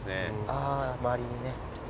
あ周りにね。